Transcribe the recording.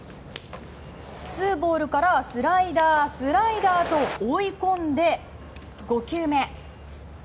ツーボールからスライダー、スライダーと追い込んで、５球目。